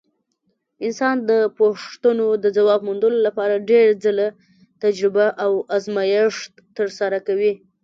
انسان د پوښتنو د ځواب موندلو لپاره ډېر ځله تجربه او ازمېښت ترسره کوي.